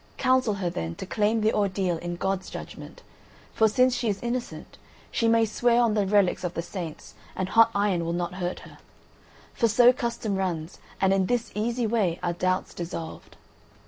Counsel her, then, to claim the ordeal in God's judgment, for since she is innocent, she may swear on the relics of the saints and hot iron will not hurt her. For so custom runs, and in this easy way are doubts dissolved."